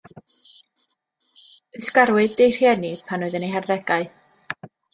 Ysgarwyd ei rhieni pan oedd yn ei harddegau.